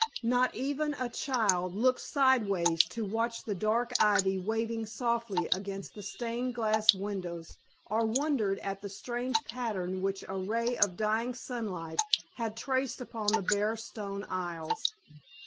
Not even a child looked sideways to watch the dark ivy waving softly against the stained glass windows or wondered at the strange pattern which a ray of dying sunlight had traced upon the bare stone aisles.